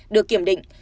được kiểm định